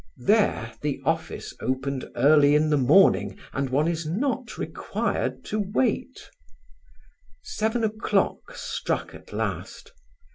There, the office is opened early in the morning and one is not required to wait. Seven o'clock struck at last.